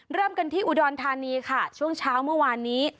เริ่มกันที่อุดรธานีค่ะช่วงเช้าเมื่อวานนี้